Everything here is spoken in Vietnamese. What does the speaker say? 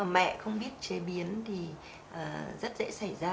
mẹ không biết chế biến thì rất dễ xảy ra